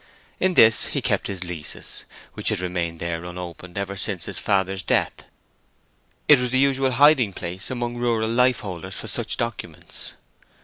In this he kept his leases, which had remained there unopened ever since his father's death. It was the usual hiding place among rural lifeholders for such documents.